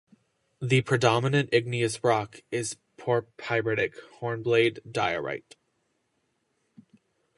The predominant igneous rock is porphyritic hornblende diorite.